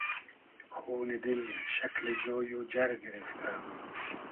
خونی دیل شئکلی جۉی و جئر گیریفتۂ